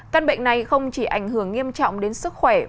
căn bệnh này không chỉ ảnh hưởng nghiêm trọng đến sức khỏe